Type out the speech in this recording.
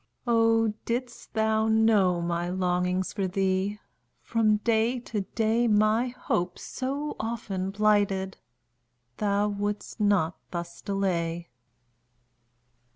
Oh, didst thou know my longings For thee, from day to day, My hopes, so often blighted, Thou wouldst not thus delay!